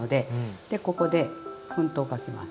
でここで粉糖かけます。